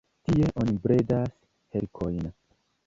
Tie oni bredas helikojn.